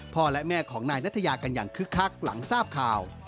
และแม่ของนายนัทยากันอย่างคึกคักหลังทราบข่าว